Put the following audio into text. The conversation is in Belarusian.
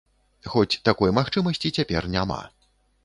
Хоць такой магчымасці цяпер няма.